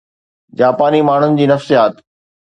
جاپاني ماڻهن جي نفسيات